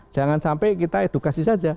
jangan sampai kita edukasi saja